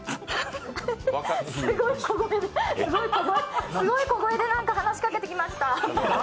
すごい小声でなんか話しかけてきました。